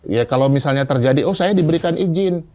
ya kalau misalnya terjadi oh saya diberikan izin